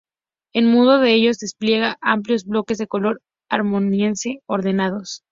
En muchos de ellos despliega amplios bloques de color armoniosamente ordenados.